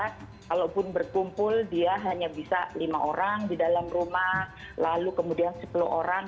kalaupun berkumpul dia hanya bisa lima orang di dalam rumah lalu kemudian sepuluh orang